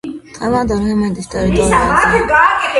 დღევანდელი იემენის ტერიტორიაზე.